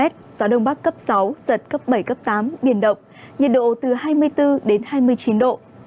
gió đông bắc cấp sáu giật cấp bảy cấp tám biển động nhiệt độ từ hai mươi bốn đến hai mươi chín độ